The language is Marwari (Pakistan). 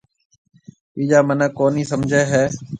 ٻِيجا مِنک ڪونِي سمجهيَ هيَ۔